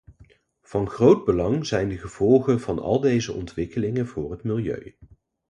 Van groot belang zijn de gevolgen van al deze ontwikkelingen voor het milieu.